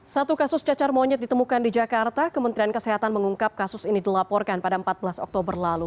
satu kasus cacar monyet ditemukan di jakarta kementerian kesehatan mengungkap kasus ini dilaporkan pada empat belas oktober lalu